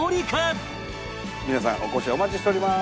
皆さんのお越しお待ちしておりまーす！